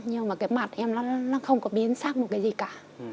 nhưng mà cái mặt em nó không có biến xác một cái gì cả